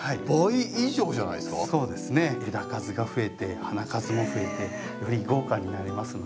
枝数が増えて花数も増えてより豪華になりますので。